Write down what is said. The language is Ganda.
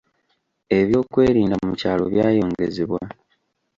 Ebyokwerinda mu kyalo byayongezebwa.